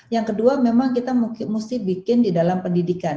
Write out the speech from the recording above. yang kedua memang kita mesti bikin di dalam pendidikan